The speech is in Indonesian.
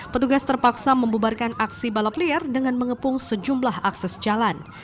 petugas terpaksa membubarkan aksi balap liar dengan mengepung sejumlah akses jalan